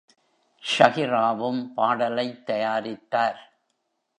ஷகிராவும் பாடலைத் தயாரித்தார்.